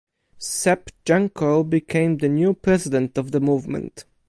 Sepp Janko became the new president of the movement.